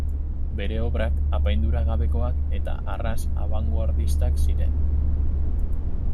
Bere obrak apaindura gabekoak eta arras abangoardistak ziren.